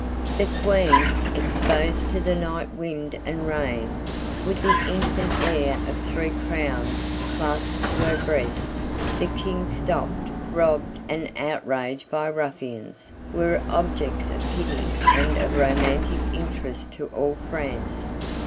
The Queen, exposed to the night wind and rain, with the infant heir of three crowns clasped to her breast, the King stopped, robbed, and outraged by ruffians, were objects of pity and of romantic interest to all France.